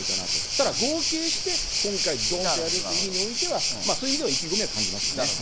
ただ合計して今回、どんとやるよという意味においては、そういう意味では意気込みは感じますよね。